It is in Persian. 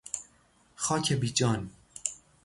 خاک بیجان